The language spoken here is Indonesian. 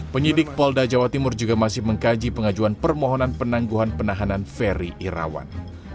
penyidik polda jawa timur juga masih mengkaji pengajuan permohonan penangguhan penahanan ferry irawan